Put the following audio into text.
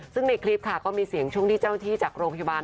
ซึ่งในคลิปค่ะก็มีเสียงช่วงที่เจ้าหน้าที่จากโรงพยาบาล